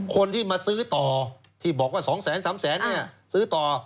คนที่มาซื้อต่อที่บอกว่า๒๓แสนเนี่ยซื้อต่อ